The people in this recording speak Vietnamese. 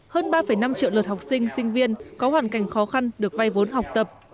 hơn ba năm triệu lượt học sinh sinh viên có hoàn cảnh khó khăn được vay vốn học tập